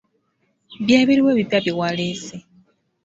Bye biruwa ebipya bye waleese?